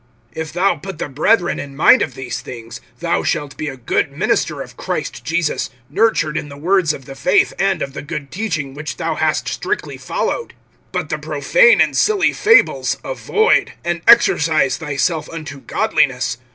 (6)If thou put the brethren in mind of these things, thou shalt be a good minister of Christ Jesus, nurtured in the words of the faith and of the good teaching, which thou hast strictly followed. (7)But the profane and silly fables[4:7] avoid, and exercise thyself unto godliness.